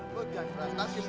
lu jangan frastasi bu